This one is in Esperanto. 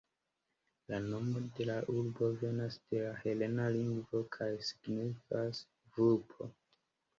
La nomo de la urbo venas de la helena lingvo kaj signifas "vulpo".